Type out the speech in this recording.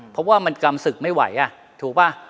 เพราะว่ามันกำศึกไม่ไหวถูกป่ะ